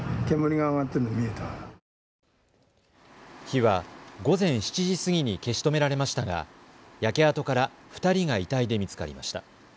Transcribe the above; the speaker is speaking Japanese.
火は午前７時過ぎに消し止められましたが焼け跡から２人が遺体で見つかりました。